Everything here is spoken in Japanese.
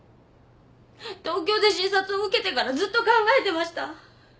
東京で診察を受けてからずっと考えてました。